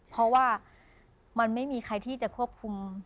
เพราะว่ามันไม่มีใครที่จะควบคุม